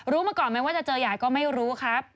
มาก่อนไหมว่าจะเจอยายก็ไม่รู้ครับ